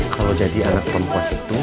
kalau jadi anak perempuan itu